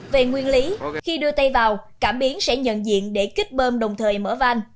về nguyên lý khi đưa tay vào cảm biến sẽ nhận diện để kích bơm đồng thời mở van